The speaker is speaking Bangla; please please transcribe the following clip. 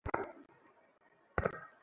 সমানে মনে হচ্ছে কেউ যেন আসছে।